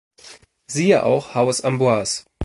Siehe auch: Haus Amboise